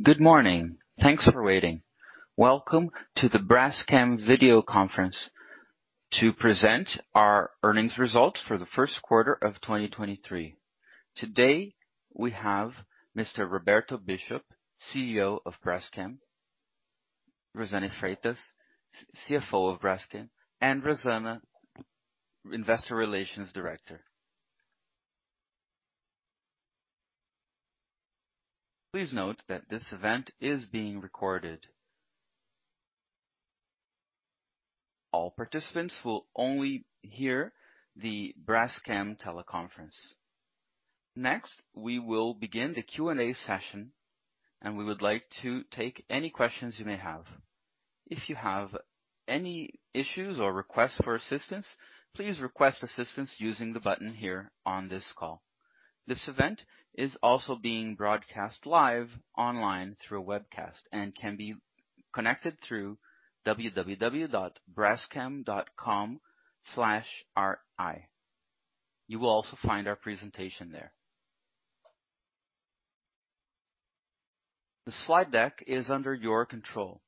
Good morning. Thanks for waiting. Welcome to the Braskem video conference to present our earnings results for the first quarter of 2023. Today, we have Mr. Roberto Bischoff, CEO of Braskem, Pedro Freitas, CFO of Braskem, and Rosana, Investor Relations Director. Please note that this event is being recorded. All participants will only hear the Braskem teleconference. We will begin the Q&A session, and we would like to take any questions you may have. If you have any issues or requests for assistance, please request assistance using the button here on this call. This event is also being broadcast live online through a webcast and can be connected through www.braskem.com/ri. You will also find our presentation there. The slide deck is under your control.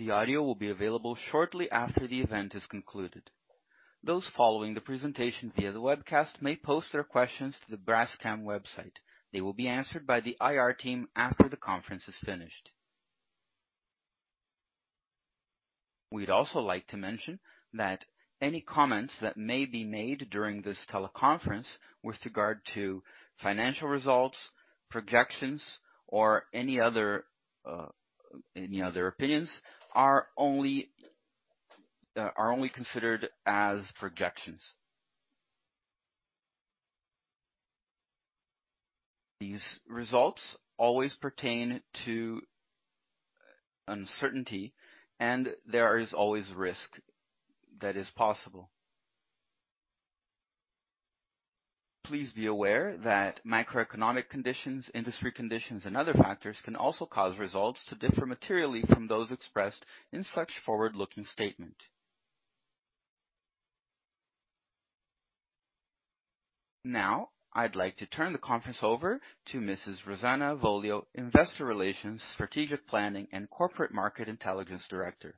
The audio will be available shortly after the event is concluded. Those following the presentation via the webcast may post their questions to the Braskem website. They will be answered by the IR team after the conference is finished. We'd also like to mention that any comments that may be made during this teleconference with regard to financial results, projections, or any other opinions are only considered as projections. These results always pertain to uncertainty, and there is always risk that is possible. Please be aware that macroeconomic conditions, industry conditions, and other factors can also cause results to differ materially from those expressed in such forward-looking statement. I'd like to turn the conference over to Mrs. Rosana Avolio, Investor Relations, Strategic Planning, and Corporate Market Intelligence Director.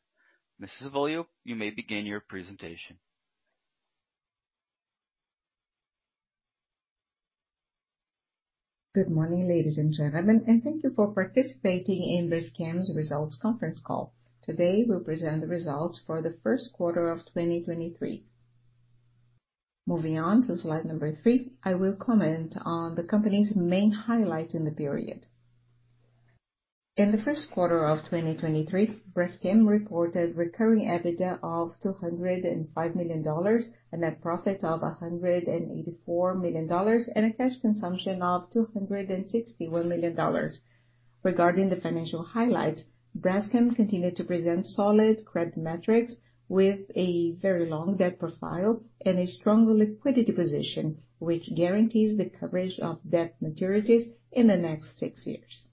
Mrs. Avolio, you may begin your presentation. Good morning, ladies and gentlemen, thank you for participating in Braskem's results conference call. Today, we present the results for the first quarter of 2023. Moving on to Slide 3, I will comment on the company's main highlight in the period. In the first quarter of 2023, Braskem reported recurring EBITDA of $205 million, a net profit of $184 million, and a cash consumption of $261 million. Regarding the financial highlights, Braskem continued to present solid credit metrics with a very long debt profile and a strong liquidity position, which guarantees the coverage of debt maturities in the next six years.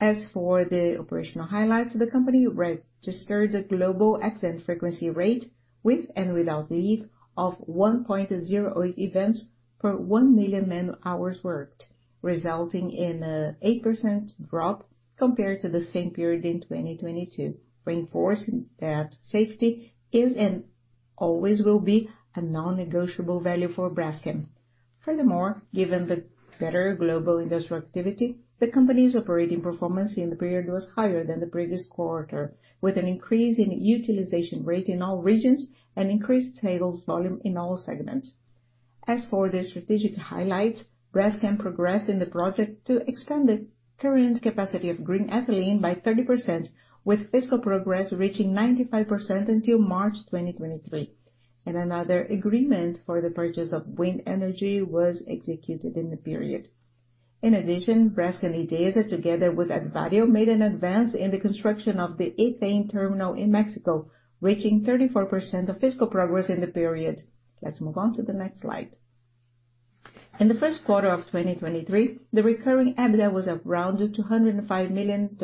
As for the operational highlights, the company registered a global accident frequency rate with and without leave of 1.0 events per 1 million man hours worked, resulting in an 8% drop compared to the same period in 2022, reinforcing that safety is and always will be a non-negotiable value for Braskem. Furthermore, given the better global industrial activity, the company's operating performance in the period was higher than the previous quarter, with an increase in utilization rate in all regions and increased sales volume in all segments. As for the strategic highlights, Braskem progressed in the project to extend the current capacity of green ethylene by 30%, with physical progress reaching 95% until March 2023. Another agreement for the purchase of wind energy was executed in the period. In addition, Braskem Idesa, together with Advario, made an advance in the construction of the ethane terminal in Mexico, reaching 34% of physical progress in the period. Let's move on to the next slide. In the first quarter of 2023, the recurring EBITDA was around $205 million,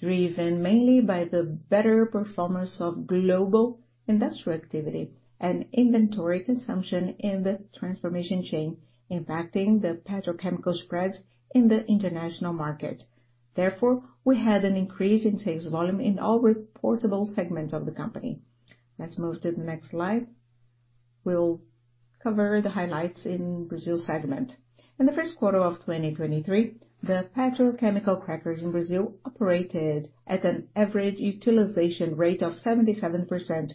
driven mainly by the better performance of global industrial activity and inventory consumption in the transformation chain, impacting the petrochemical spreads in the international market. We had an increase in sales volume in all reportable segments of the company. Let's move to the next slide. We'll cover the highlights in Brazil segment. In the first quarter of 2023, the petrochemical crackers in Brazil operated at an average utilization rate of 77%,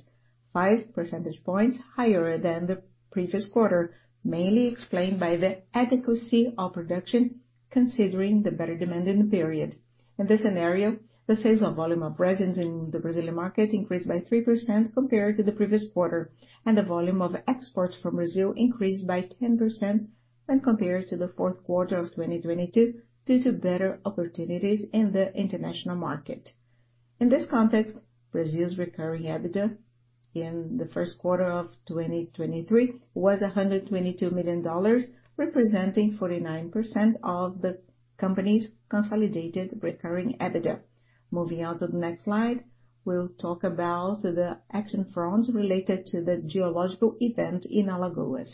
5 percentage points higher than the previous quarter, mainly explained by the adequacy of production, considering the better demand in the period. In this scenario, the sales of volume of resins in the Brazilian market increased by 3% compared to the previous quarter, and the volume of exports from Brazil increased by 10% when compared to the fourth quarter of 2022 due to better opportunities in the international market. In this context, Brazil's recurring EBITDA in the first quarter of 2023 was $122 million, representing 49% of the company's consolidated recurring EBITDA. Moving on to the next slide, we'll talk about the action fronts related to the geological event in Alagoas.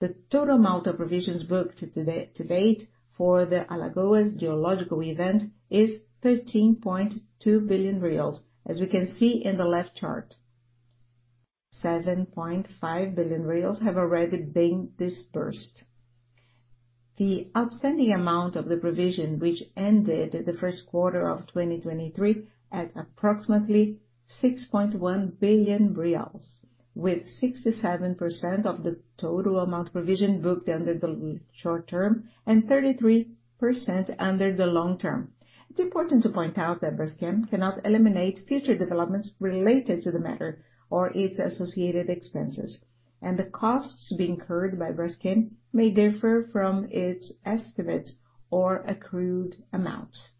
The total amount of provisions booked to date for the Alagoas geological event is 13.2 billion reais. As we can see in the left chart. 7.5 billion reais have already been dispersed. The outstanding amount of the provision, which ended the first quarter of 2023 at approximately 6.1 billion reais, with 67% of the total amount provision booked under the short term and 33% under the long term. It's important to point out that Braskem cannot eliminate future developments related to the matter or its associated expenses. The costs being incurred by Braskem may differ from its estimates or accrued amounts.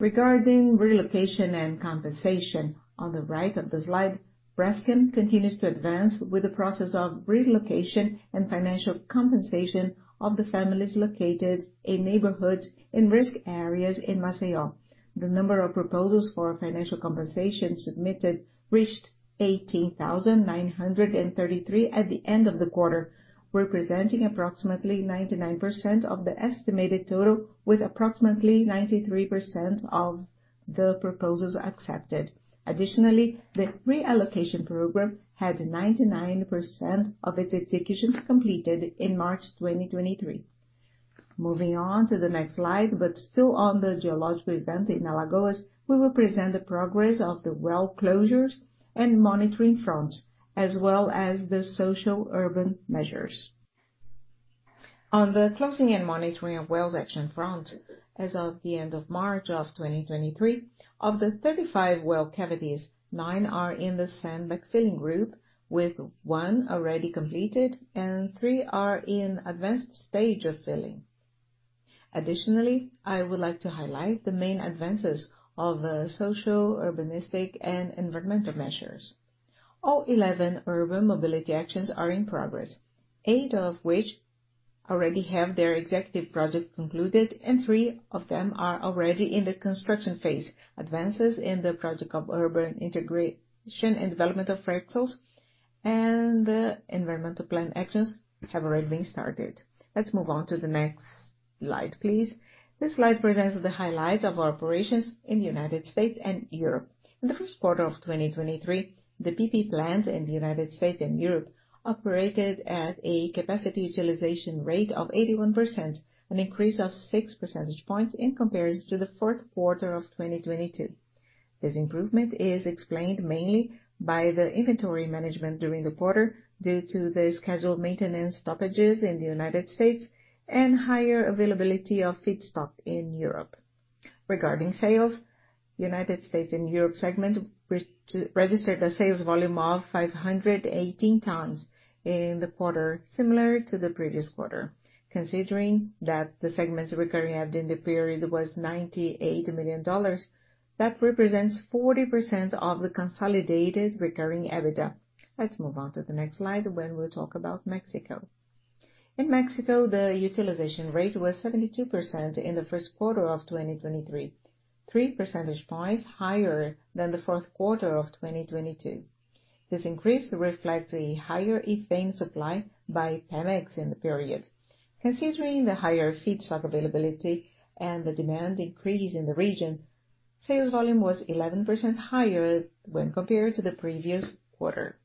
Regarding relocation and compensation, on the right of the slide, Braskem continues to advance with the process of relocation and financial compensation of the families located in neighborhoods in risk areas in Maceió. The number of proposals for financial compensation submitted reached 18,933 at the end of the quarter, representing approximately 99% of the estimated total, with approximately 93% of the proposals accepted. The reallocation program had 99% of its executions completed in March 2023. Moving on to the next slide, but still on the geological event in Alagoas, we will present the progress of the well closures and monitoring fronts, as well as the social urban measures. On the closing and monitoring of wells action front, as of the end of March of 2023, of the 35 well cavities, nine are in the sand bag filling group, with one already completed and three are in advanced stage of filling. I would like to highlight the main advances of the social, urbanistic, and environmental measures. All 11 urban mobility actions are in progress, eight of which already have their executive project concluded and three of them are already in the construction phase. Advances in the project of urban integration and development of freeways and the environmental plan actions have already been started. Let's move on to the next slide, please. This slide presents the highlights of our operations in the United States and Europe. In the first quarter of 2023, the PP plants in the United States and Europe operated at a capacity utilization rate of 81%, an increase of 6 percentage points in comparison to the fourth quarter of 2022. This improvement is explained mainly by the inventory management during the quarter due to the scheduled maintenance stoppages in the United States and higher availability of feedstock in Europe. Regarding sales, United States and Europe segment registered a sales volume of 580 tons in the quarter, similar to the previous quarter. Considering that the segment's recurring EBITDA in the period was $98 million, that represents 40% of the consolidated recurring EBITDA. Let's move on to the next slide where we'll talk about Mexico. In Mexico, the utilization rate was 72% in the first quarter of 2023, 3 percentage points higher than the fourth quarter of 2022. This increase reflects a higher ethane supply by Pemex in the period. Considering the higher feedstock availability and the demand increase in the region, sales volume was 11% higher when compared to the previous quarter.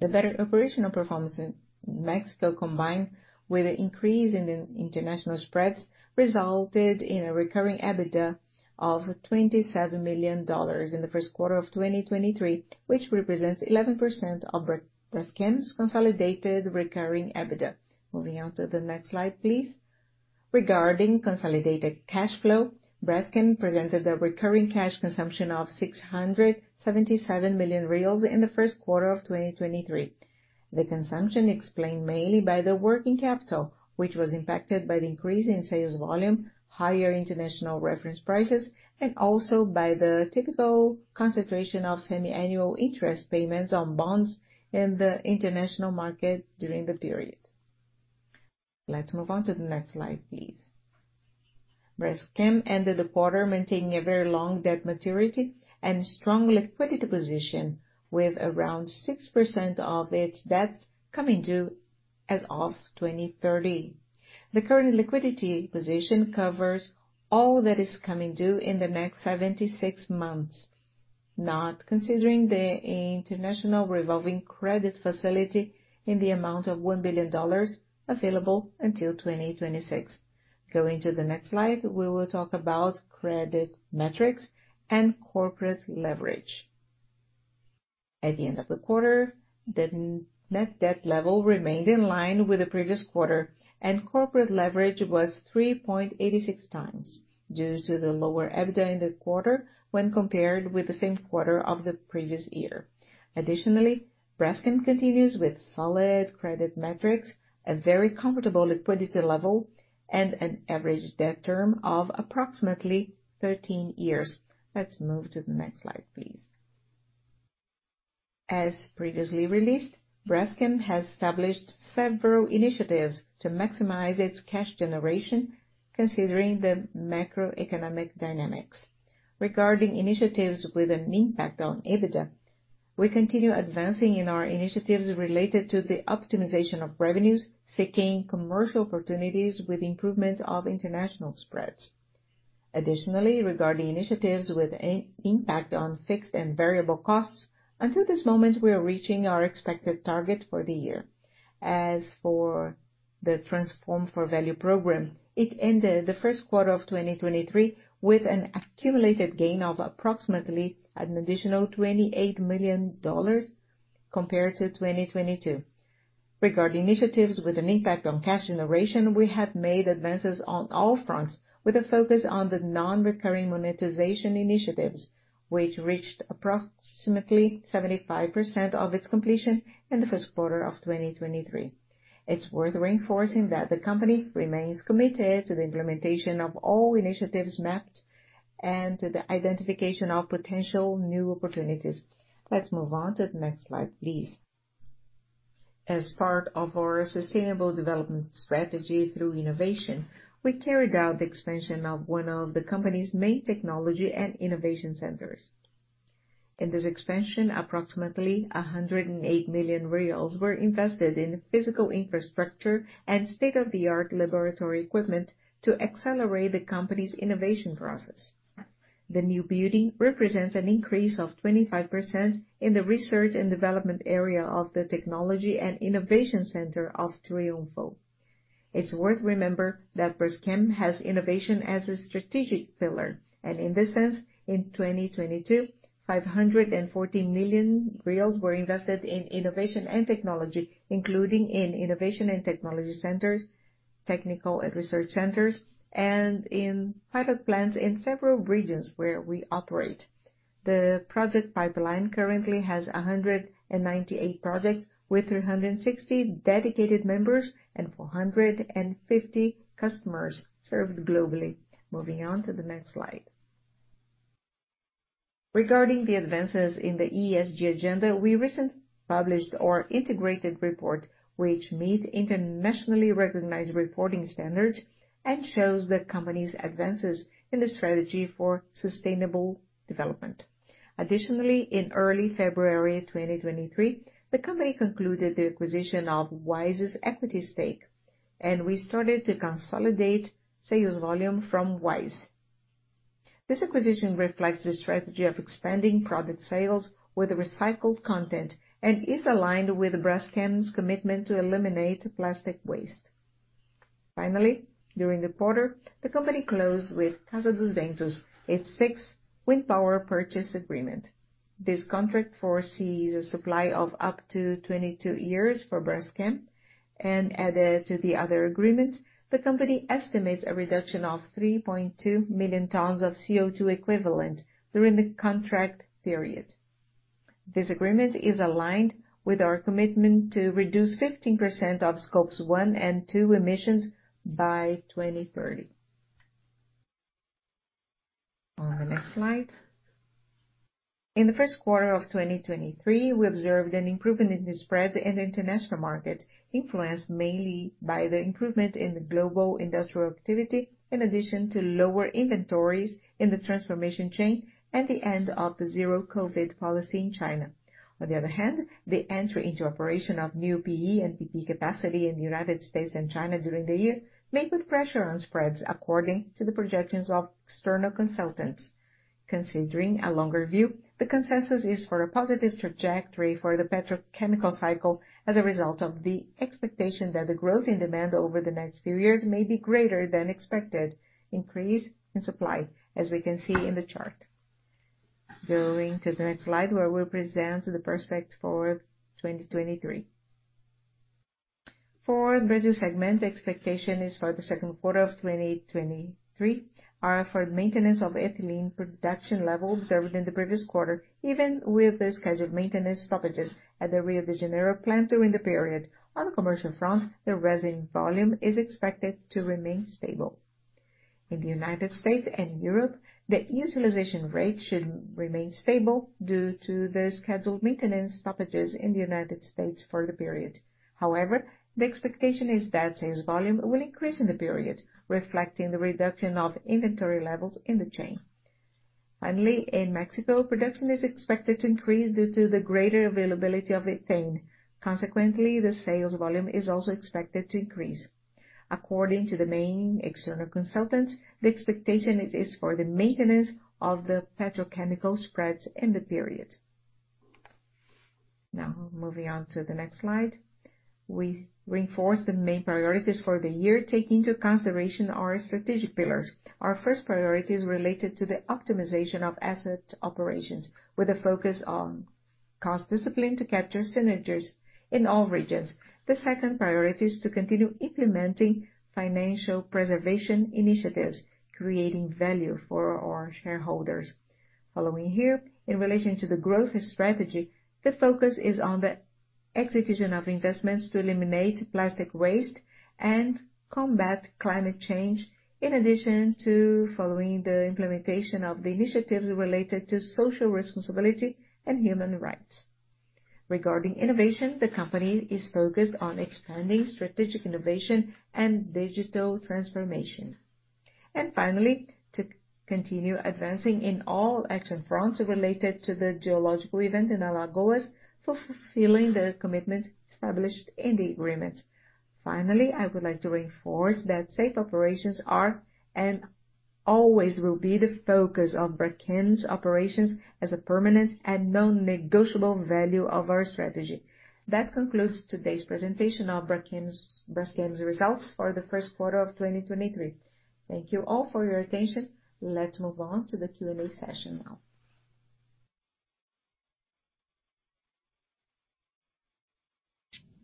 The better operational performance in Mexico, combined with an increase in the international spreads, resulted in a recurring EBITDA of $27 million in the first quarter of 2023, which represents 11% of Braskem's consolidated recurring EBITDA. Moving on to the next slide, please. Regarding consolidated cash flow, Braskem presented a recurring cash consumption of 677 million reais in the first quarter of 2023. The consumption explained mainly by the working capital, which was impacted by the increase in sales volume, higher international reference prices, and also by the typical concentration of semiannual interest payments on bonds in the international market during the period. Let's move on to the next slide, please. Braskem ended the quarter maintaining a very long debt maturity and strong liquidity position with around 6% of its debts coming due as of 2030. The current liquidity position covers all that is coming due in the next 76 months, not considering the international revolving credit facility in the amount of $1 billion available until 2026. Going to the next slide, we will talk about credit metrics and corporate leverage. At the end of the quarter, the net debt level remained in line with the previous quarter, corporate leverage was 3.86x due to the lower EBITDA in the quarter when compared with the same quarter of the previous year. Additionally, Braskem continues with solid credit metrics, a very comfortable liquidity level, and an average debt term of approximately 13 years. Let's move to the next slide, please. As previously released, Braskem has established several initiatives to maximize its cash generation considering the macroeconomic dynamics. Regarding initiatives with an impact on EBITDA, we continue advancing in our initiatives related to the optimization of revenues, seeking commercial opportunities with improvement of international spreads. Additionally, regarding initiatives with an impact on fixed and variable costs, until this moment, we are reaching our expected target for the year. As for the Transform for Value program, it ended the first quarter of 2023 with an accumulated gain of approximately an additional $28 million compared to 2022. Regarding initiatives with an impact on cash generation, we have made advances on all fronts with a focus on the non-recurring monetization initiatives, which reached approximately 75% of its completion in the first quarter of 2023. It's worth reinforcing that the company remains committed to the implementation of all initiatives mapped and to the identification of potential new opportunities. Let's move on to the next slide, please. As part of our sustainable development strategy through innovation, we carried out the expansion of one of the company's main technology and innovation centers. In this expansion, approximately 108 million reais were invested in physical infrastructure and state-of-the-art laboratory equipment to accelerate the company's innovation process. The new building represents an increase of 25% in the research and development area of the Technology and Innovation Center of Triunfo. It's worth remember that Braskem has innovation as a strategic pillar. In this sense, in 2022, 540 million reais were invested in innovation and technology, including in innovation and technology centers, technical and research centers, and in pilot plants in several regions where we operate. The project pipeline currently has 198 projects with 360 dedicated members and 450 customers served globally. Moving on to the next slide. Regarding the advances in the ESG agenda, we recently published our integrated report, which meets internationally recognized reporting standards and shows the company's advances in the strategy for sustainable development. In early February 2023, the company concluded the acquisition of Wise's equity stake, and we started to consolidate sales volume from Wise. This acquisition reflects the strategy of expanding product sales with recycled content and is aligned with Braskem's commitment to eliminate plastic waste. During the quarter, the company closed with Casa dos Ventos its sixth wind power purchase agreement. This contract foresees a supply of up to 22 years for Braskem, and added to the other agreement, the company estimates a reduction of 3.2 million tons of CO2 equivalent during the contract period. This agreement is aligned with our commitment to reduce 15% of Scopes 1 and 2 emissions by 2030. On the next slide. In the first quarter of 2023, we observed an improvement in the spreads in the international market, influenced mainly by the improvement in the global industrial activity, in addition to lower inventories in the transformation chain and the end of the Zero-COVID policy in China. On the other hand, the entry into operation of new PE and PP capacity in the United States and China during the year may put pressure on spreads according to the projections of external consultants. Considering a longer view, the consensus is for a positive trajectory for the petrochemical cycle as a result of the expectation that the growth in demand over the next few years may be greater than expected increase in supply, as we can see in the chart. Going to the next slide, where we present the prospects for 2023. For Brazil segment, expectation is for the second quarter of 2023 are for maintenance of ethylene production level observed in the previous quarter, even with the scheduled maintenance stoppages at the Rio de Janeiro plant during the period. The commercial front, the resin volume is expected to remain stable. In the United States and Europe, the utilization rate should remain stable due to the scheduled maintenance stoppages in the United States for the period. The expectation is that sales volume will increase in the period, reflecting the reduction of inventory levels in the chain. In Mexico, production is expected to increase due to the greater availability of ethane. The sales volume is also expected to increase. According to the main external consultants, the expectation is for the maintenance of the petrochemical spreads in the period. Moving on to the next slide. We reinforce the main priorities for the year, taking into consideration our strategic pillars. Our first priority is related to the optimization of asset operations with a focus on cost discipline to capture synergies in all regions. The second priority is to continue implementing financial preservation initiatives, creating value for our shareholders. Following here, in relation to the growth strategy, the focus is on the execution of investments to eliminate plastic waste and combat climate change, in addition to following the implementation of the initiatives related to social responsibility and human rights. Regarding innovation, the company is focused on expanding strategic innovation and digital transformation. Finally, to continue advancing in all action fronts related to the geological event in Alagoas for fulfilling the commitment established in the agreement. Finally, I would like to reinforce that safe operations are and always will be the focus of Braskem's operations as a permanent and non-negotiable value of our strategy. That concludes today's presentation of Braskem's results for the first quarter of 2023. Thank you all for your attention. Let's move on to the Q&A session now.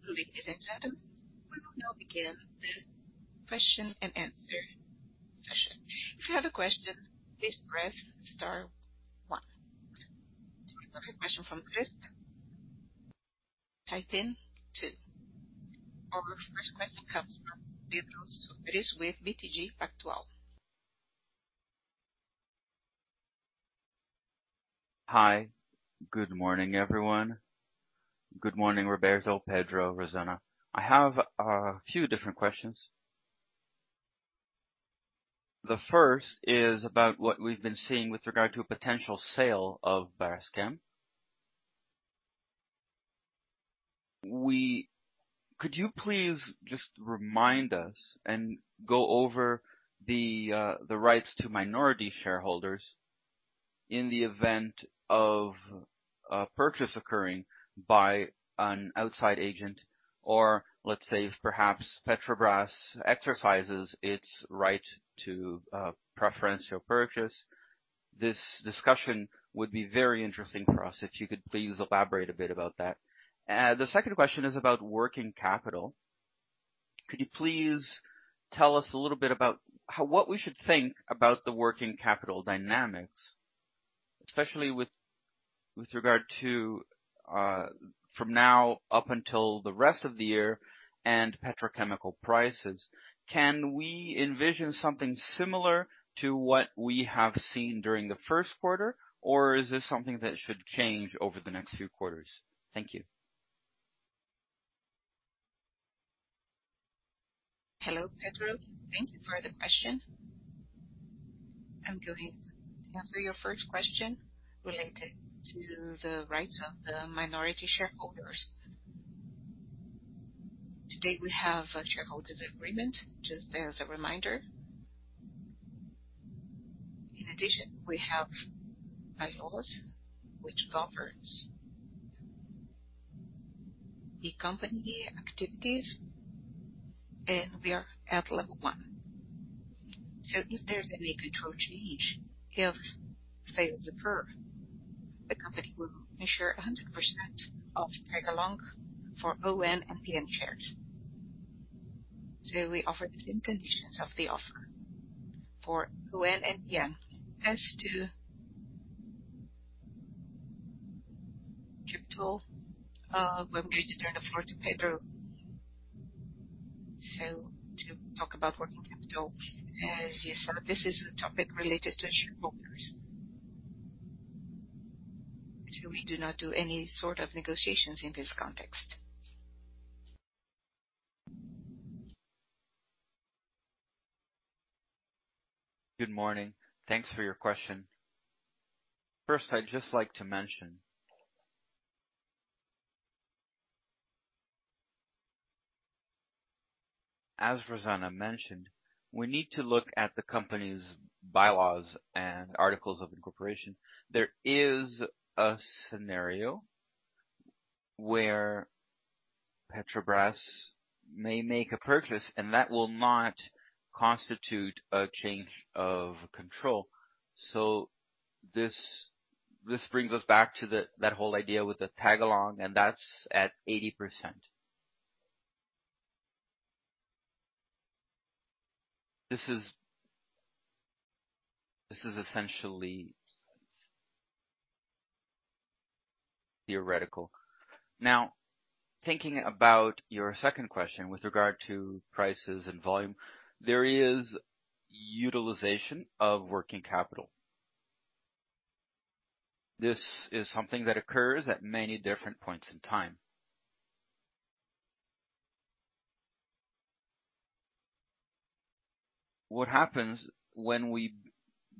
Ladies and gentlemen, we will now begin the question-and-answer session. If you have a question, please press star one. To remove your question from the list, type in two. Our first question comes from Pedro Soares with BTG Pactual. Hi. Good morning, everyone. Good morning, Roberto, Pedro, Rosana. I have a few different questions. The first is about what we've been seeing with regard to a potential sale of Braskem. Could you please just remind us and go over the rights to minority shareholders in the event of a purchase occurring by an outside agent or let's say if perhaps Petrobras exercises its right to preferential purchase. This discussion would be very interesting for us if you could please elaborate a bit about that. The second question is about working capital. Could you please tell us a little bit about what we should think about the working capital dynamics, especially with regard to from now up until the rest of the year and petrochemical prices. Can we envision something similar to what we have seen during the first quarter, or is this something that should change over the next few quarters? Thank you. Hello, Pedro. Thank you for the question. I'm going to answer your first question related to the rights of the minority shareholders. Today, we have a shareholders agreement, just as a reminder. In addition, we have bylaws which governs the company activities, and we are at Level 1. If there's any control change, if sale occurs, the company will ensure 100% of tag-along for ON and PN shares. We offer the same conditions of the offer for ON and PN. As to capital, I'm going to turn the floor to Pedro, so to talk about working capital, as you saw, this is a topic related to shareholders. We do not do any sort of negotiations in this context. Good morning. Thanks for your question. First, I'd just like to mention. As Rosana mentioned, we need to look at the company's bylaws and articles of incorporation. There is a scenario where Petrobras may make a purchase, and that will not constitute a change of control. This brings us back to the whole idea with the tag-along, and that's at 80%. This is essentially theoretical. Thinking about your second question with regard to prices and volume, there is utilization of working capital. This is something that occurs at many different points in time. What happens when we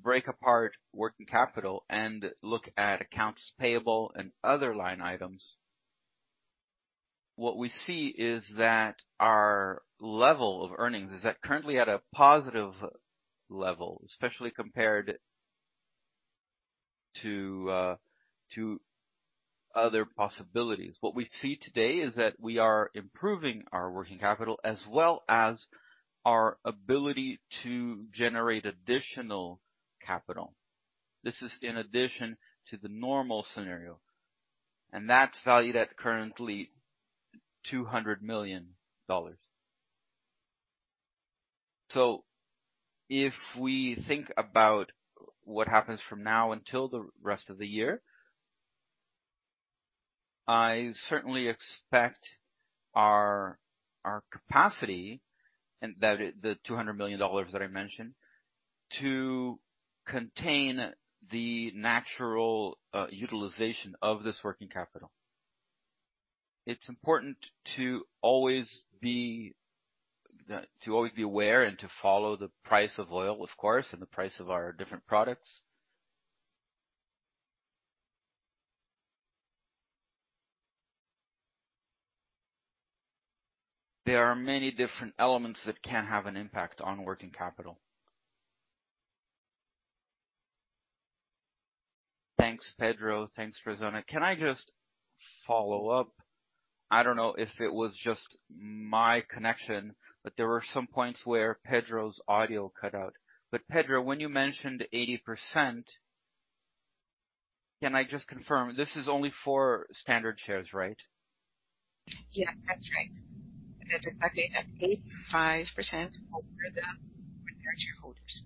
break apart working capital and look at accounts payable and other line items, what we see is that our level of earnings is at currently at a positive level, especially compared to other possibilities. What we see today is that we are improving our working capital as well as our ability to generate additional capital. This is in addition to the normal scenario, and that's valued at currently $200 million. If we think about what happens from now until the rest of the year, I certainly expect our capacity and that the $200 million that I mentioned to contain the natural utilization of this working capital. It's important to always be to always be aware and to follow the price of oil, of course, and the price of our different products. There are many different elements that can have an impact on working capital. Thanks, Pedro. Thanks, Rosana. Can I just follow up? I don't know if it was just my connection, but there were some points where Pedro's audio cut out. Pedro, when you mentioned 80%, can I just confirm this is only for standard shares, right? Yeah, that's right. That's exactly at 85% over the preferred shareholders,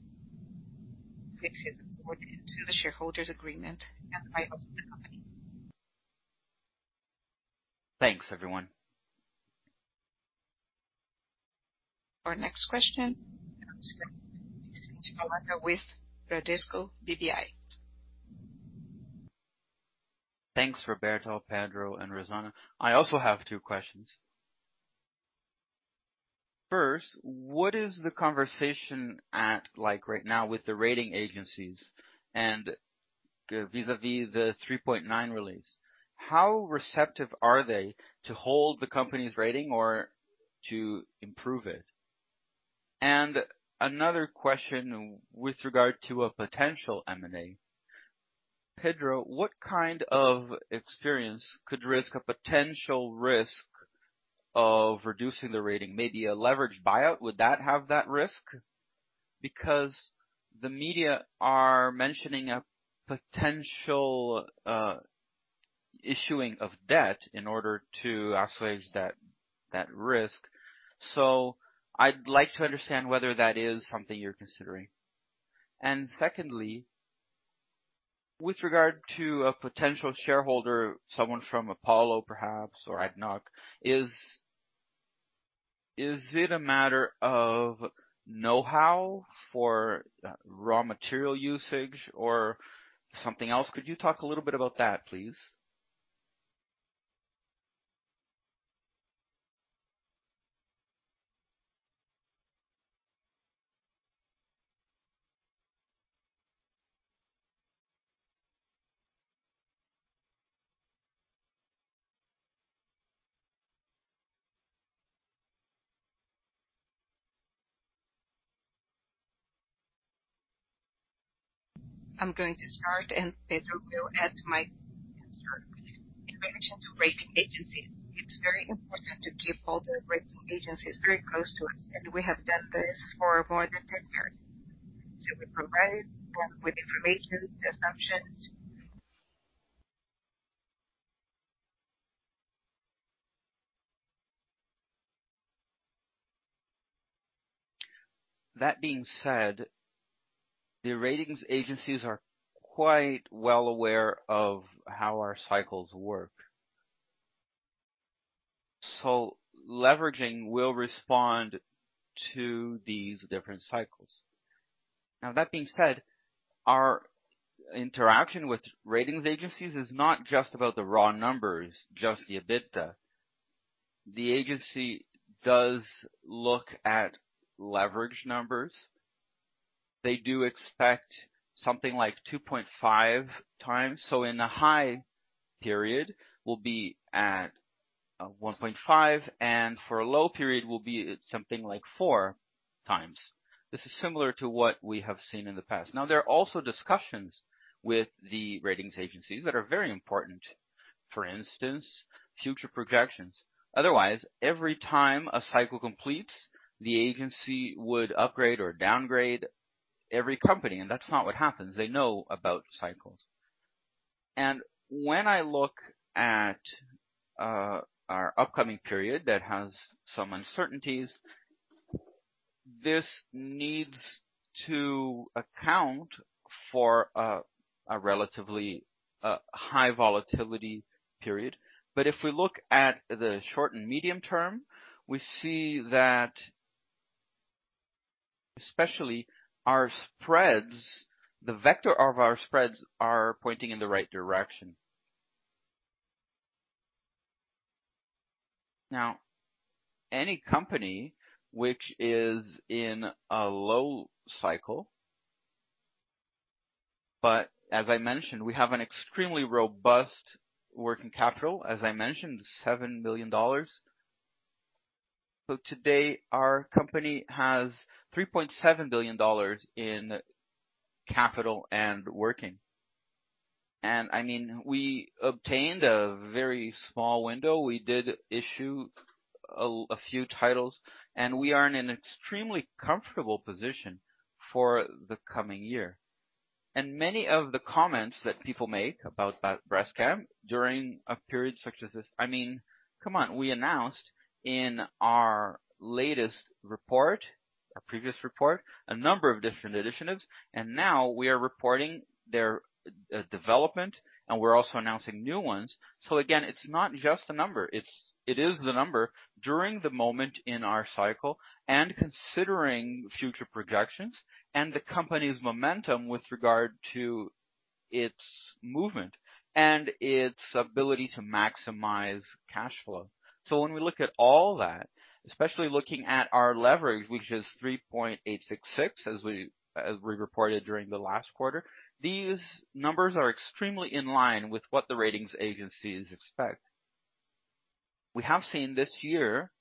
which is according to the shareholders agreement and by of the company. Thanks, everyone. Our next question comes from Vicente Falanga with Bradesco BBI. Thanks, Roberto, Pedro, and Rosana. I also have two questions. First, what is the conversation at like right now with the rating agencies and vis-a-vis the 3.9x release? How receptive are they to hold the company's rating or to improve it? Another question with regard to a potential M&A. Pedro, what kind of experience could risk a potential risk of reducing the rating? Maybe a leveraged buyout, would that have that risk? The media are mentioning a potential issuing of debt in order to assuage that risk. I'd like to understand whether that is something you're considering. Secondly, with regard to a potential shareholder, someone from Apollo perhaps, or ADNOC. Is it a matter of know-how for raw material usage or something else? Could you talk a little bit about that, please? I'm going to start, and Pedro will add to my answer. In relation to rating agencies, it's very important to keep all the rating agencies very close to us, and we have done this for more than 10 years. We provide them with information, assumptions. That being said, the ratings agencies are quite well aware of how our cycles work. Leveraging will respond to these different cycles. That being said, our interaction with ratings agencies is not just about the raw numbers, just the EBITDA. The agency does look at leverage numbers. They do expect something like 2.5x. In the high period, we'll be at 1.5x, and for a low period, we'll be at something like 4x. This is similar to what we have seen in the past. There are also discussions with the ratings agencies that are very important. For instance, future projections. Otherwise, every time a cycle completes, the agency would upgrade or downgrade every company, and that's not what happens. They know about cycles. When I look at, our upcoming period that has some uncertainties, this needs to account for a relatively high volatility period. If we look at the short and medium term, we see that especially our spreads, the vector of our spreads are pointing in the right direction. Now, any company which is in a low cycle. As I mentioned, we have an extremely robust working capital, as I mentioned, $7 billion. Today our company has $3.7 billion in capital and working. I mean, we obtained a very small window. We did issue a few titles, and we are in an extremely comfortable position for the coming year. Many of the comments that people make about Braskem during a period such as this... I mean, come on, we announced in our latest report, our previous report, a number of different initiatives. Now we are reporting their development. We're also announcing new ones. Again, it's not just a number, it is the number during the moment in our cycle and considering future projections and the company's momentum with regard to its movement and its ability to maximize cash flow. When we look at all that, especially looking at our leverage, which is 3.866x, as we reported during the last quarter, these numbers are extremely in line with what the ratings agencies expect. We have seen this year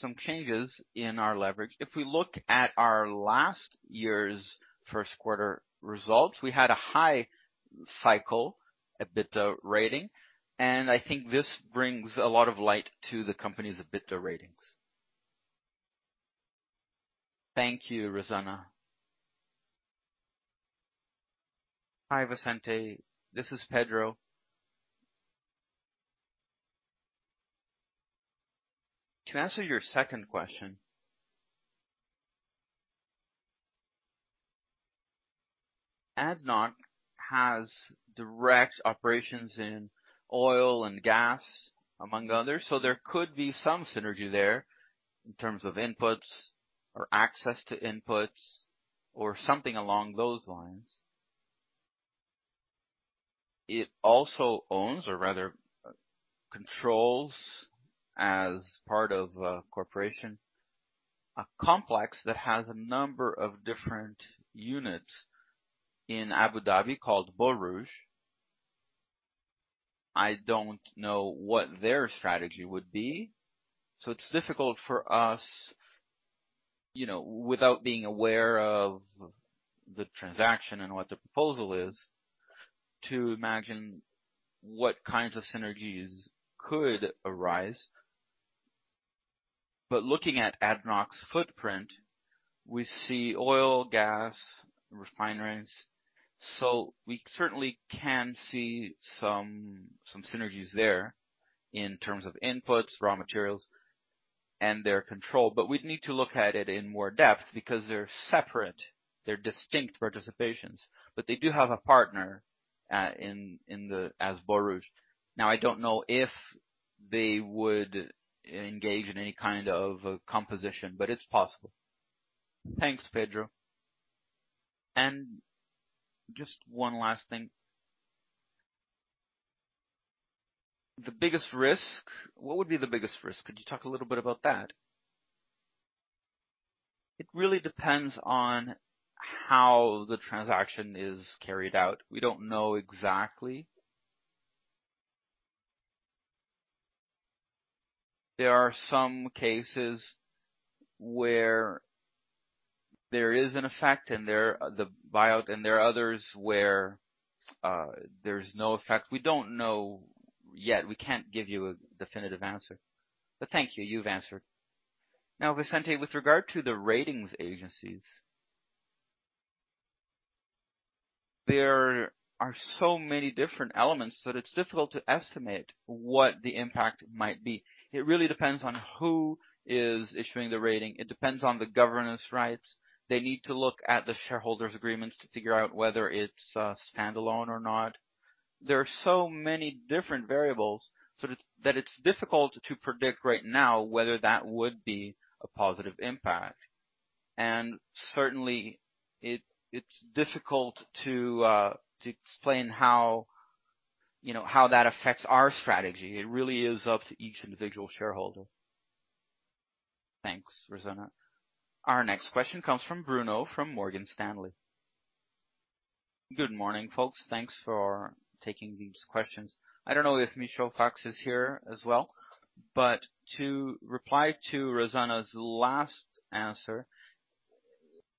some changes in our leverage. If we look at our last year's first quarter results, we had a high cycle, EBITDA rating. I think this brings a lot of light to the company's EBITDA ratings. Thank you, Rosana. Hi, Vicente. This is Pedro. To answer your second question, ADNOC has direct operations in oil and gas, among others. There could be some synergy there in terms of inputs or access to inputs or something along those lines. It also owns or rather controls as part of a corporation, a complex that has a number of different units in Abu Dhabi called Borouge. I don't know what their strategy would be. It's difficult for us, you know, without being aware of the transaction and what the proposal is to imagine what kinds of synergies could arise. Looking at ADNOC's footprint, we see oil, gas, refineries. We certainly can see some synergies there in terms of inputs, raw materials, and their control. We'd need to look at it in more depth because they're separate, they're distinct participations. They do have a partner as Borouge. I don't know if they would engage in any kind of a composition, but it's possible. Thanks, Pedro. Just one last thing. The biggest risk. What would be the biggest risk? Could you talk a little bit about that? It really depends on how the transaction is carried out. We don't know exactly. There are some cases where there is an effect, the buyout, and there are others where there's no effect. We don't know yet. We can't give you a definitive answer. Thank you. You've answered. Vicente, with regard to the ratings agencies. There are so many different elements that it's difficult to estimate what the impact might be. It really depends on who is issuing the rating. It depends on the governance rights. They need to look at the shareholders agreements to figure out whether it's standalone or not. There are so many different variables, so it's difficult to predict right now whether that would be a positive impact. Certainly, it's difficult to explain how, you know, how that affects our strategy. It really is up to each individual shareholder. Thanks, Rosana. Our next question comes from Bruno from Morgan Stanley. Good morning, folks. Thanks for taking these questions. I don't know if Michel Fox is here as well, but to reply to Rosana's last answer,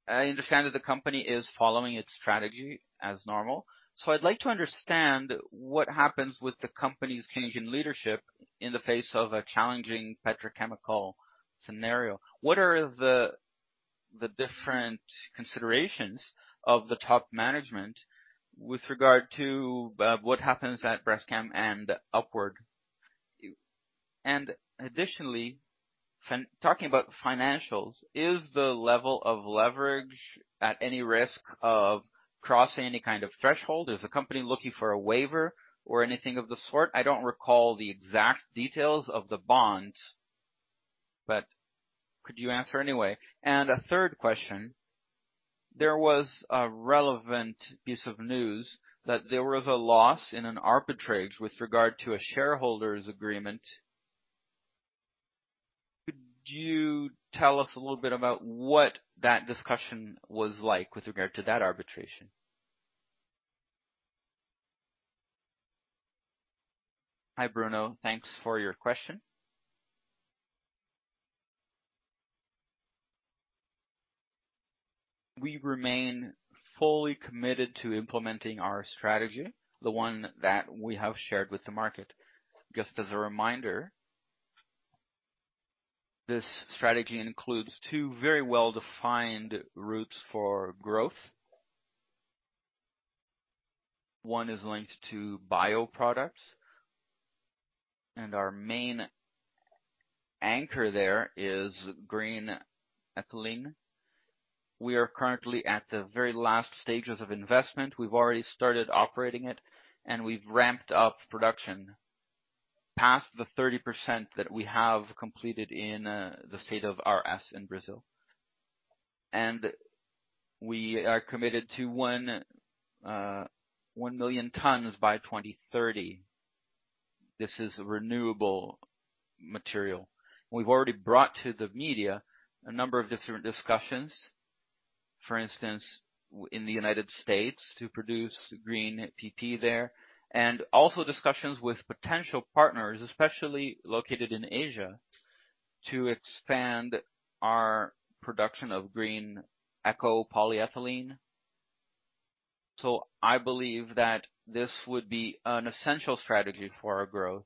I understand that the company is following its strategy as normal. I'd like to understand what happens with the company's change in leadership in the face of a challenging petrochemical scenario. What are the different considerations of the top management with regard to what happens at Braskem and upward? Additionally, Talking about financials, is the level of leverage at any risk of crossing any kind of threshold? Is the company looking for a waiver or anything of the sort? I don't recall the exact details of the bonds, but could you answer anyway? A third question, there was a relevant piece of news that there was a loss in an arbitrage with regard to a shareholders agreement. Could you tell us a little bit about what that discussion was like with regard to that arbitration? Hi, Bruno. Thanks for your question. We remain fully committed to implementing our strategy, the one that we have shared with the market. Just as a reminder. This strategy includes two very well-defined routes for growth. One is linked to bioproducts, and our main anchor there is green ethylene. We are currently at the very last stages of investment. We've already started operating it, and we've ramped up production past the 30% that we have completed in the state of RS in Brazil. We are committed to 1 million tons by 2030. This is renewable material. We've already brought to the media a number of different discussions, for instance, in the United States to produce green PP there. Also discussions with potential partners, especially located in Asia, to expand our production of green eco polyethylene. I believe that this would be an essential strategy for our growth.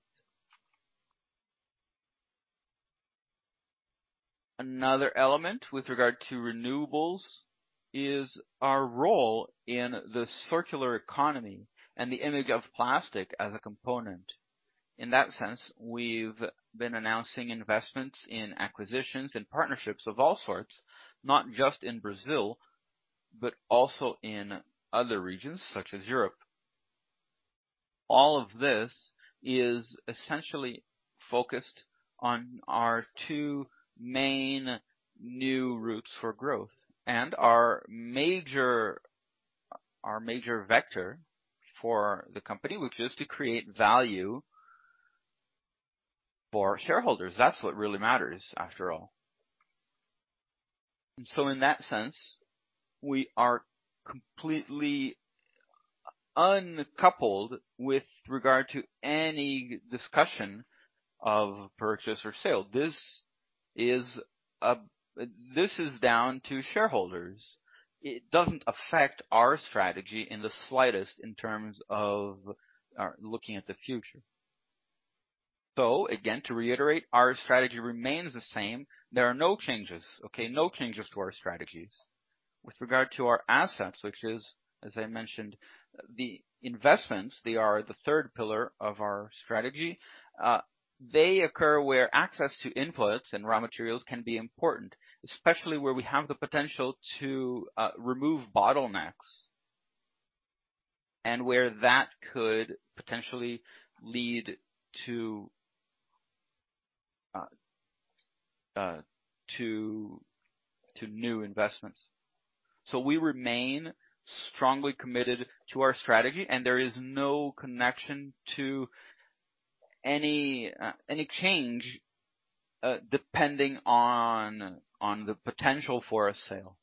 Another element with regard to renewables is our role in the circular economy and the image of plastic as a component. In that sense, we've been announcing investments in acquisitions and partnerships of all sorts, not just in Brazil, but also in other regions such as Europe. All of this is essentially focused on our two main new routes for growth and our major vector for the company, which is to create value for shareholders. That's what really matters after all. In that sense, we are completely uncoupled with regard to any discussion of purchase or sale. This is, this is down to shareholders. It doesn't affect our strategy in the slightest in terms of looking at the future. Again, to reiterate, our strategy remains the same. There are no changes, okay? No changes to our strategies. With regard to our assets, which is, as I mentioned, the investments, they are the third pillar of our strategy. They occur where access to inputs and raw materials can be important, especially where we have the potential to remove bottlenecks and where that could potentially lead to new investments. We remain strongly committed to our strategy, and there is no connection to any change depending on the potential for a sale.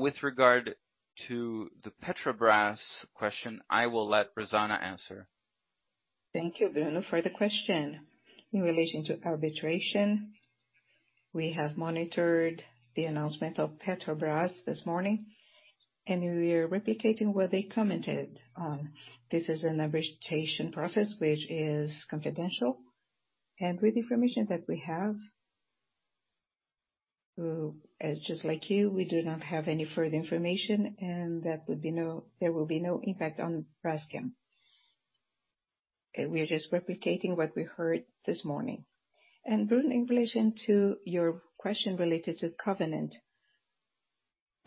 With regard to the Petrobras question, I will let Rosana answer. Thank you, Bruno, for the question. In relation to arbitration, we have monitored the announcement of Petrobras this morning, and we are replicating what they commented on. This is an arbitration process which is confidential. With the information that we have, just like you, we do not have any further information, and that would be there will be no impact on Braskem. We are just replicating what we heard this morning. Bruno, in relation to your question related to covenant.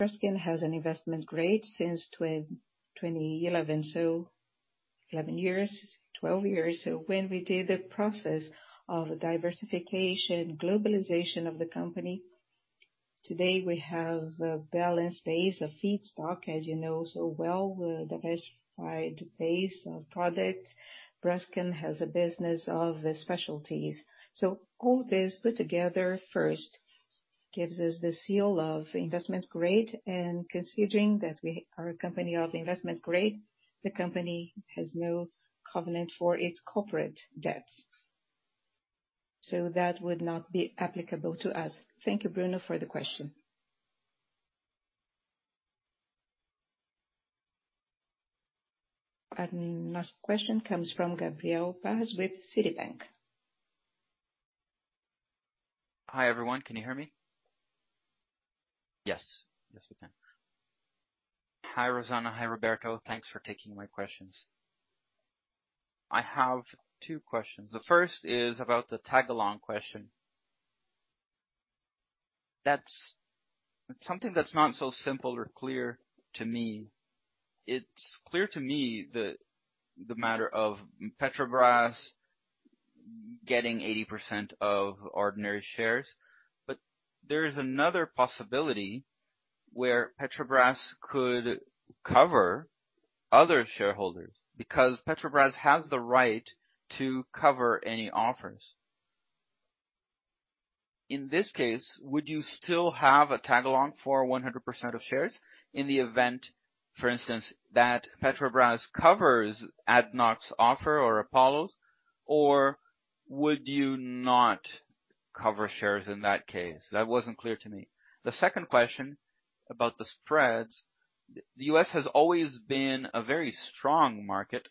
Braskem has an investment grade since 2011, so 11 years, 12 years. When we did the process of diversification, globalization of the company, today we have a balanced base of feedstock, as you know, so well diversified base of product. Braskem has a business of specialties. All this put together first gives us the seal of investment grade, and considering that we are a company of investment grade, the company has no covenant for its corporate debt. That would not be applicable to us. Thank you, Bruno, for the question. Next question comes from Gabriel Barra with Citi. Hi, everyone. Can you hear me? Yes. Yes, we can. Hi, Rosana. Hi, Roberto. Thanks for taking my questions. I have two questions. The first is about the tag-along question. That's something that's not so simple or clear to me. It's clear to me the matter of Petrobras getting 80% of ordinary shares, but there is another possibility where Petrobras could cover other shareholders because Petrobras has the right to cover any offers. In this case, would you still have a tag-along for 100% of shares in the event, for instance, that Petrobras covers ADNOC's offer or Apollo's, or would you not cover shares in that case? That wasn't clear to me. The second question about the spreads. The U.S. has always been a very strong market.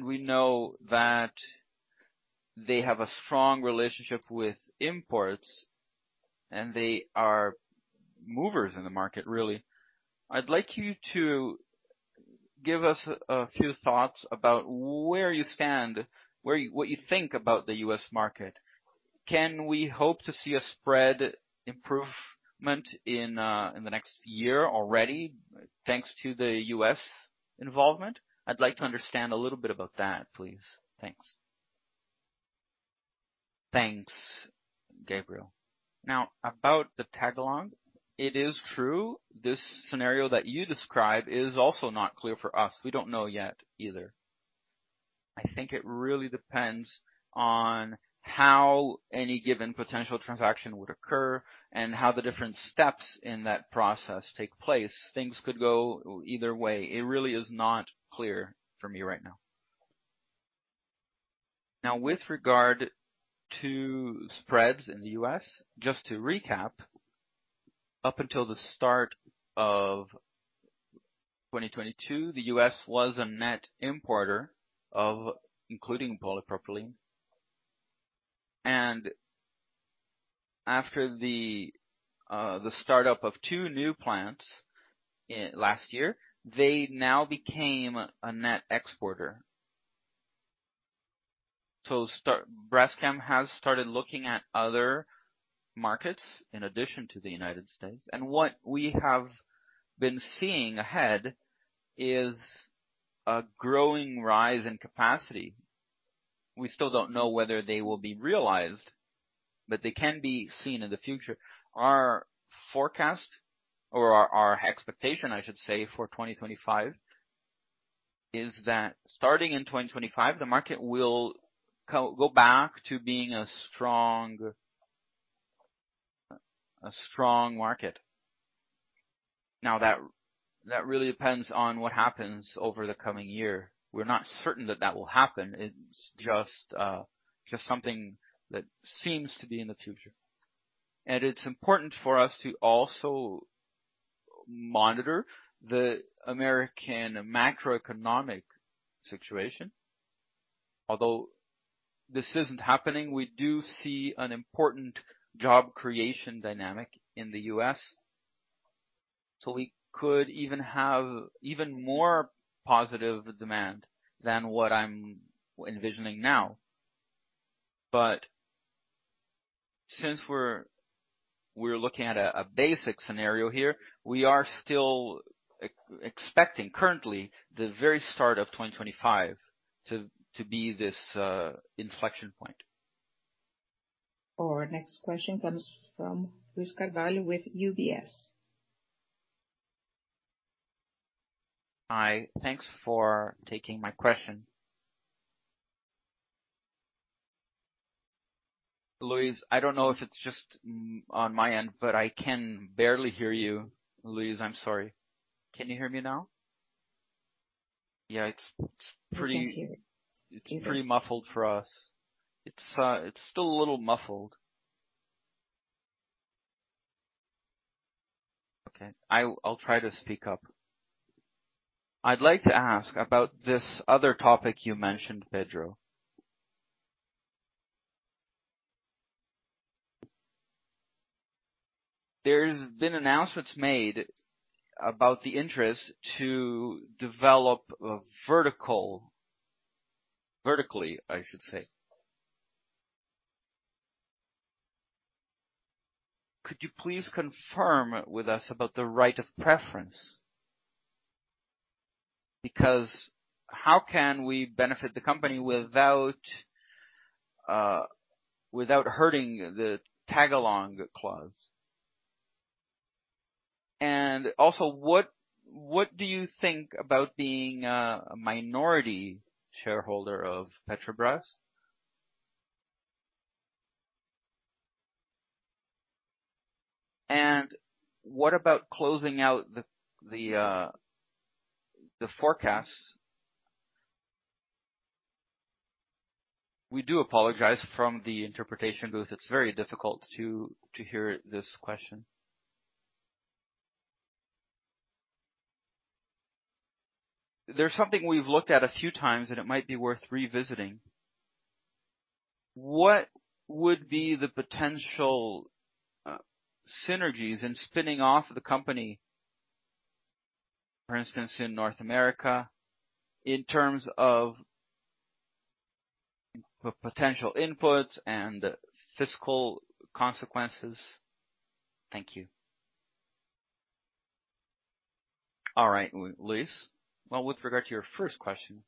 We know that they have a strong relationship with imports, and they are movers in the market, really. I'd like you to give us a few thoughts about where you stand, what you think about the U.S. market. Can we hope to see a spread improvement in the next year already, thanks to the U.S. involvement? I'd like to understand a little bit about that, please. Thanks. Thanks, Gabriel. About the tag-along, it is true. This scenario that you describe is also not clear for us. We don't know yet either. I think it really depends on how any given potential transaction would occur and how the different steps in that process take place. Things could go either way. It really is not clear for me right now. With regard to spreads in the U.S., just to recap, up until the start of 2022, the U.S. was a net importer of including polypropylene. After the start of two new plants in last year, they now became a net exporter. Braskem has started looking at other markets in addition to the United States, and what we have been seeing ahead is a growing rise in capacity. We still don't know whether they will be realized, but they can be seen in the future. Our forecast or our expectation, I should say, for 2025, is that starting in 2025, the market will go back to being a strong market. That really depends on what happens over the coming year. We're not certain that will happen. It's just something that seems to be in the future. It's important for us to also monitor the American macroeconomic situation. Although this isn't happening, we do see an important job creation dynamic in the U.S. We could even have even more positive demand than what I'm envisioning now. Since we're looking at a basic scenario here, we are still expecting currently the very start of 2025 to be this inflection point. Our next question comes from Luiz Carvalho with UBS. Hi. Thanks for taking my question. Luiz, I don't know if it's just on my end, but I can barely hear you. Luiz, I'm sorry. Can you hear me now? Yeah, it's pretty- We can hear you. It's pretty muffled for us. It's still a little muffled. Okay. I'll try to speak up. I'd like to ask about this other topic you mentioned, Pedro. There's been announcements made about the interest to develop a vertical... vertically, I should say. Could you please confirm with us about the right of preference? Because how can we benefit the company without hurting the tag-along clause? Also, what do you think about being a minority shareholder of Petrobras? What about closing out the forecast? We do apologize from the interpretation booth. It's very difficult to hear this question. There's something we've looked at a few times, and it might be worth revisiting. What would be the potential synergies in spinning off the company, for instance, in North America, in terms of potential inputs and fiscal consequences? Thank you. All right, Luiz. Well, with regard to your first question,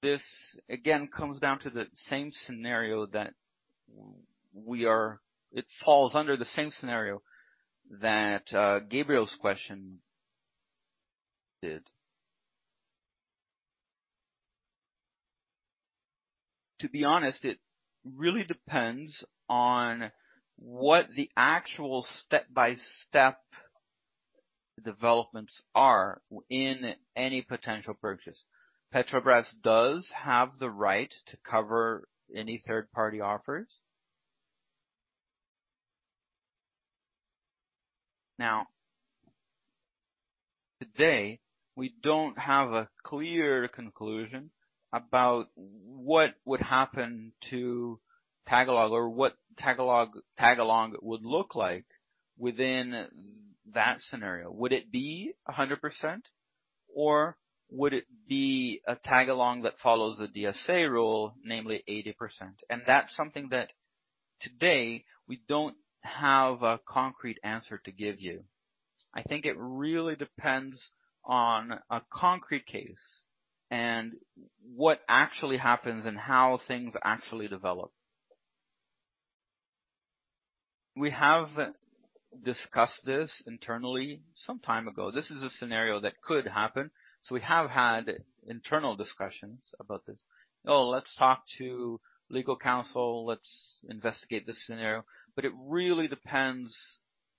this again comes down to the same scenario that we are. It falls under the same scenario that Gabriel's question did. To be honest, it really depends on what the actual step-by-step developments are in any potential purchase. Petrobras does have the right to cover any third-party offers. Today, we don't have a clear conclusion about what would happen to tag-along or what tag-along would look like within that scenario. Would it be 100% or would it be a tag-along that follows the LSA rule, namely 80%? That's something that today we don't have a concrete answer to give you. I think it really depends on a concrete case and what actually happens and how things actually develop. We have discussed this internally some time ago. This is a scenario that could happen. We have had internal discussions about this. Let's talk to legal counsel, let's investigate this scenario. It really depends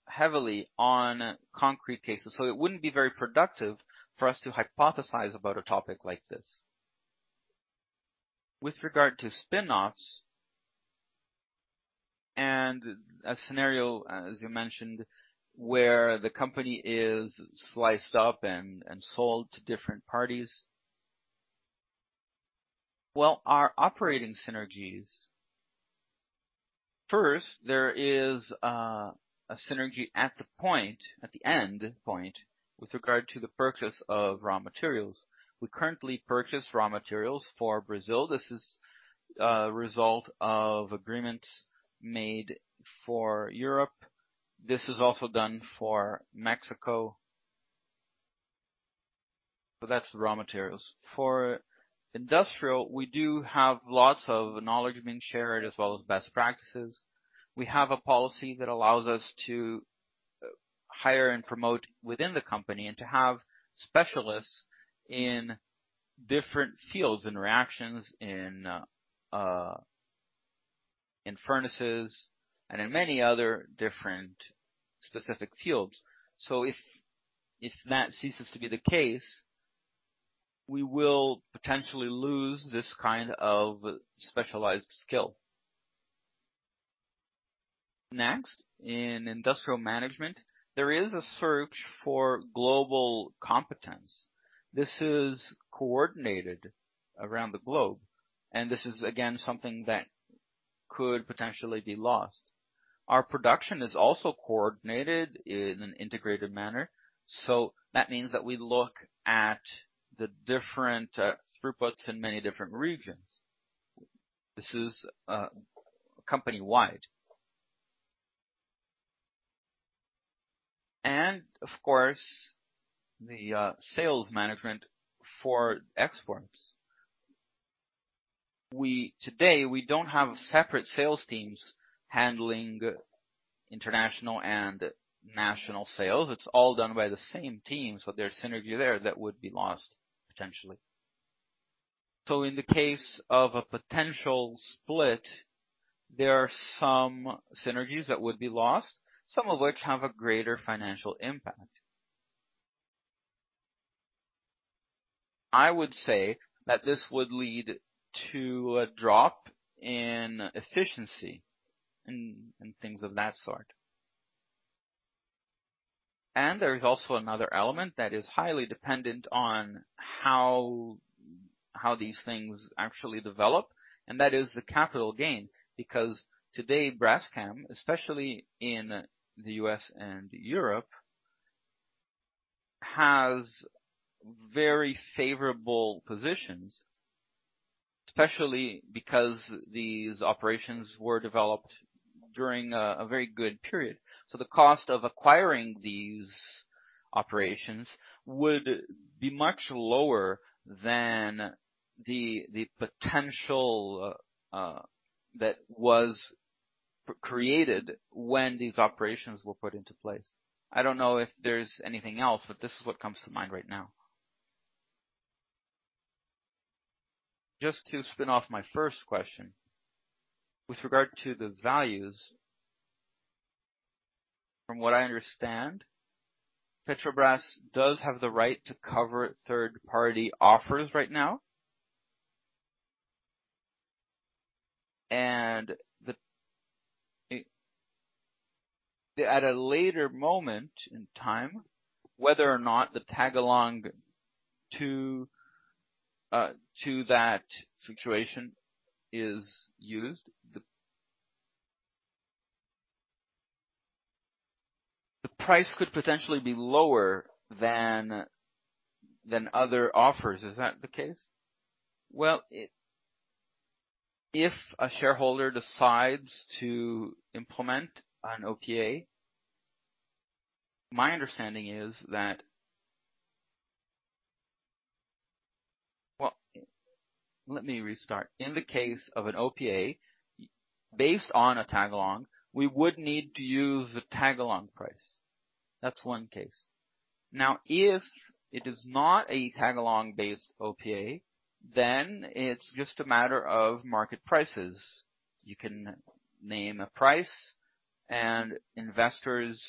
heavily on concrete cases. It wouldn't be very productive for us to hypothesize about a topic like this. With regard to spin-offs and a scenario, as you mentioned, where the company is sliced up and sold to different parties. Our operating synergies— First, there is a synergy at the point, at the end point with regard to the purchase of raw materials. We currently purchase raw materials for Brazil. This is a result of agreements made for Europe. This is also done for Mexico. That's the raw materials. For industrial, we do have lots of knowledge being shared as well as best practices. We have a policy that allows us to hire and promote within the company and to have specialists in different fields, in reactions, in furnaces, and in many other different specific fields. If that ceases to be the case, we will potentially lose this kind of specialized skill. Next, in industrial management, there is a search for global competence. This is coordinated around the globe, and this is again, something that could potentially be lost. Our production is also coordinated in an integrated manner, so that means that we look at the different throughputs in many different regions. This is company-wide. Of course, the sales management for exports. Today we don't have separate sales teams handling international and national sales. It's all done by the same team. There's synergy there that would be lost potentially. In the case of a potential split, there are some synergies that would be lost, some of which have a greater financial impact. I would say that this would lead to a drop in efficiency and things of that sort. There is also another element that is highly dependent on how these things actually develop, and that is the capital gain. Today, Braskem, especially in the U.S. and Europe, has very favorable positions, especially because these operations were developed during a very good period. The cost of acquiring these operations would be much lower than the potential that was created when these operations were put into place. I don't know if there's anything else, but this is what comes to mind right now. Just to spin off my first question. With regard to the values, from what I understand, Petrobras does have the right to cover third-party offers right now. At a later moment in time, whether or not the tag-along to that situation is used, the price could potentially be lower than other offers. Is that the case? If a shareholder decides to implement an OPA, my understanding is. Let me restart. In the case of an OPA based on a tag-along, we would need to use the tag-along price. That's one case. Now, if it is not a tag-along based OPA, then it's just a matter of market prices. You can name a price and investors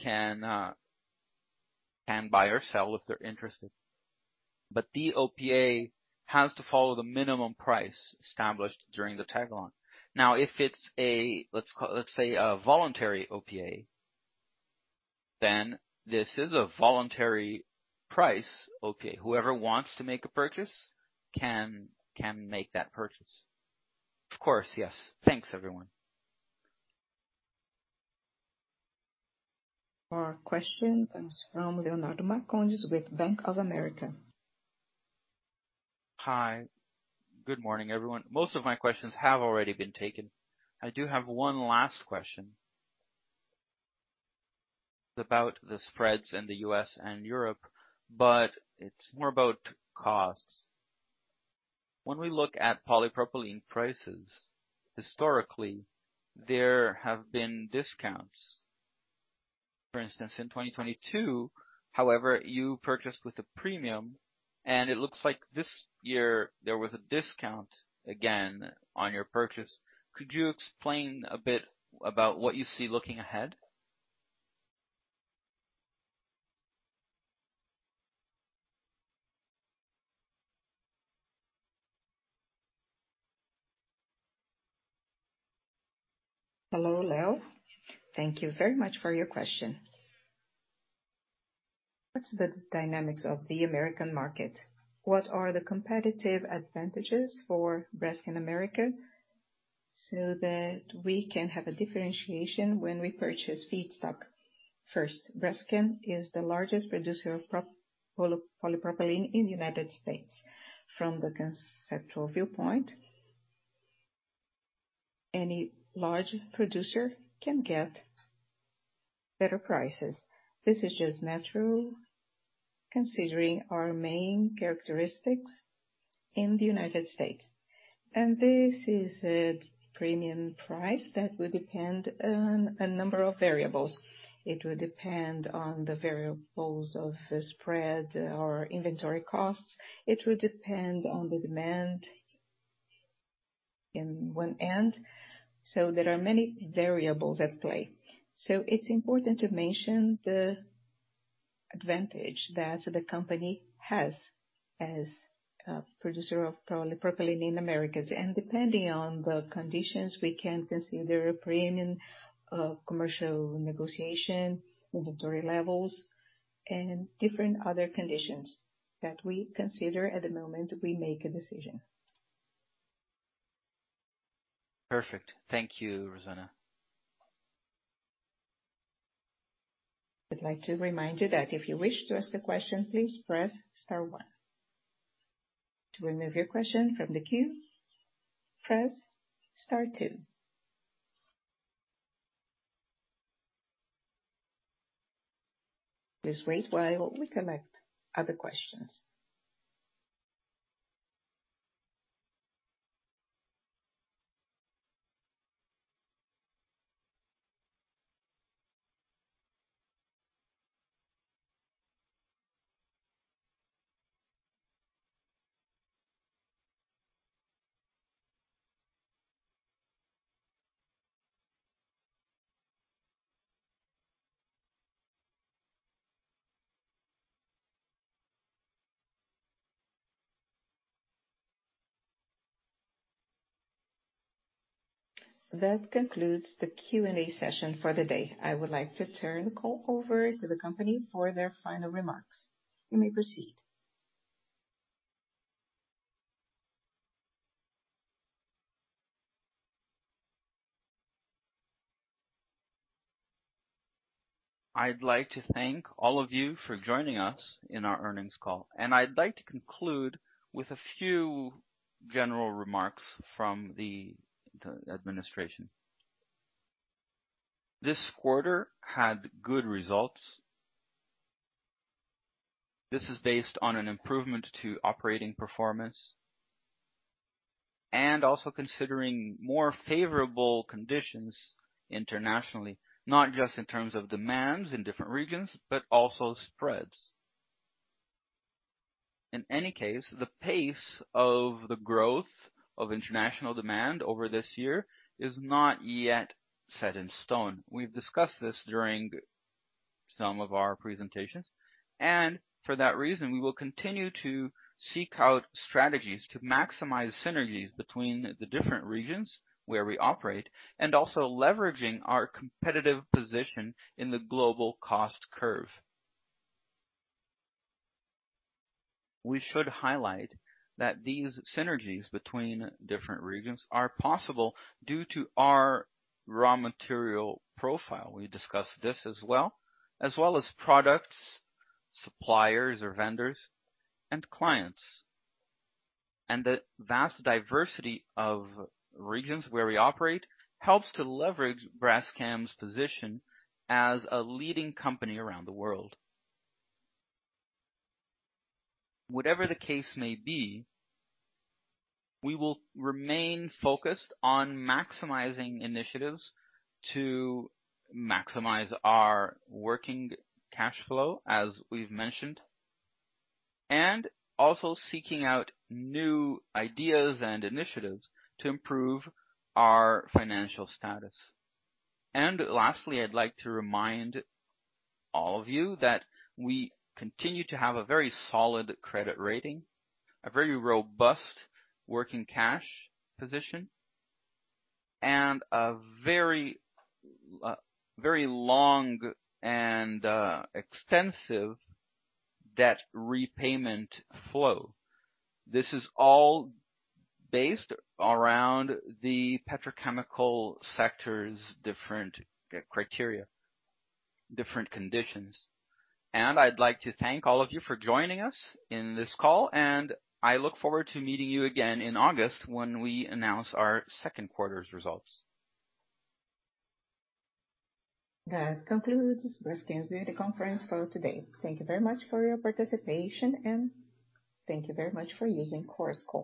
can buy or sell if they're interested. The OPA has to follow the minimum price established during the tag-along. Now, if it's a, let's say a voluntary OPA, then this is a voluntary price. Okay. Whoever wants to make a purchase can make that purchase. Of course, yes. Thanks, everyone. Our question comes from Leonardo Marcondes with Bank of America. Hi. Good morning, everyone. Most of my questions have already been taken. I do have one last question. About the spreads in the U.S. and Europe. It's more about costs. When we look at polypropylene prices, historically, there have been discounts. For instance, in 2022, however, you purchased with a premium. It looks like this year there was a discount again on your purchase. Could you explain a bit about what you see looking ahead? Hello, Leo. Thank you very much for your question. What's the dynamics of the American market? What are the competitive advantages for Braskem America so that we can have a differentiation when we purchase feedstock? First, Braskem is the largest producer of polypropylene in the United States. From the conceptual viewpoint, any large producer can get better prices. This is just natural considering our main characteristics in the United States. This is a premium price that will depend on a number of variables. It will depend on the variables of the spread or inventory costs. It will depend on the demand in one end. There are many variables at play. It's important to mention the advantage that the company has as a producer of polypropylene in Americas. Depending on the conditions, we can consider a premium, commercial negotiation, inventory levels, and different other conditions that we consider at the moment we make a decision. Perfect. Thank you, Rosana. I'd like to remind you that if you wish to ask a question, please press star one. To remove your question from the queue, press star two. Please wait while we collect other questions. That concludes the Q&A session for the day. I would like to turn the call over to the company for their final remarks. You may proceed. I'd like to thank all of you for joining us in our earnings call. I'd like to conclude with a few general remarks from the administration. This quarter had good results. This is based on an improvement to operating performance and also considering more favorable conditions internationally, not just in terms of demands in different regions, but also spreads. In any case, the pace of the growth of international demand over this year is not yet set in stone. We've discussed this during some of our presentations. For that reason, we will continue to seek out strategies to maximize synergies between the different regions where we operate and also leveraging our competitive position in the global cost curve. We should highlight that these synergies between different regions are possible due to our raw material profile. We discussed this as well, as well as products, suppliers or vendors, and clients. The vast diversity of regions where we operate helps to leverage Braskem's position as a leading company around the world. Whatever the case may be, we will remain focused on maximizing initiatives to maximize our working cash flow, as we've mentioned, and also seeking out new ideas and initiatives to improve our financial status. Lastly, I'd like to remind all of you that we continue to have a very solid credit rating, a very robust working cash position, and a very, very long and extensive debt repayment flow. This is all based around the petrochemical sector's different criteria, different conditions. I'd like to thank all of you for joining us in this call, and I look forward to meeting you again in August when we announce our second quarter's results. That concludes Braskem's media conference call today. Thank you very much for your participation, and thank you very much for using Chorus Call.